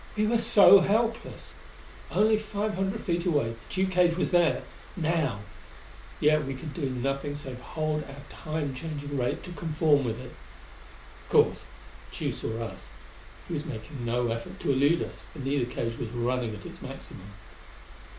We were so helpless! Only five hundred feet away, the Tugh cage was there now; yet we could do nothing save hold our Time changing rate to conform with it. Of course Tugh saw us. He was making no effort to elude us, for neither cage was running at its maximum.